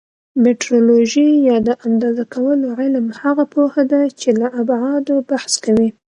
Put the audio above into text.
میټرولوژي یا د اندازه کولو علم هغه پوهه ده چې له ابعادو بحث کوي.